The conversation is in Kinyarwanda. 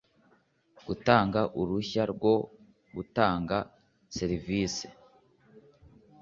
gutanga uruhushya rwo gutanga serivisi